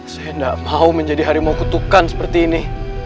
saya tidak mau menjadi harimau kutukan seperti ini